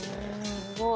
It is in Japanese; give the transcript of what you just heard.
すごい。